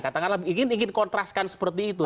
katakanlah ingin kontraskan seperti itu